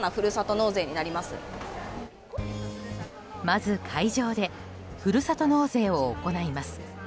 まず会場でふるさと納税を行います。